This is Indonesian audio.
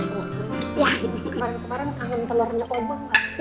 kemaren kemarin kangen telurnya koma